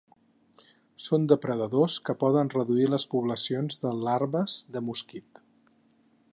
Són depredadors que poden reduir les poblacions de larves de mosquit.